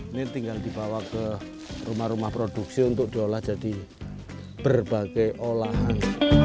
ini tinggal dibawa ke rumah rumah produksi untuk diolah jadi berbagai olahan